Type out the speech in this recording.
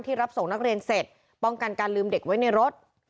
รับส่งนักเรียนเสร็จป้องกันการลืมเด็กไว้ในรถ